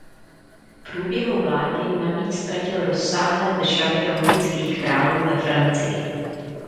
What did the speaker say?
V průběhu vlády navíc ztratil rozsáhlé državy anglických králů ve Francii.